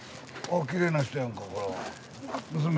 あきれいな人やんか。娘？娘。